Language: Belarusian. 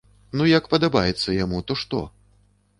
Ну як падабаецца яму, то што?